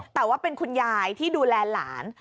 แต่ว่าเป็นคุณยายที่ดูแลหลาน